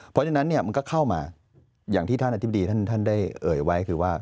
เพราะฉะนั้นมันก็เข้ามาอย่างที่ท่านอธิบดีท่านได้เอ่ยไว้คือว่า